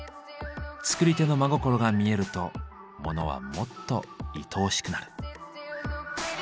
作り手の真心が見えるとモノはもっといとおしくなる。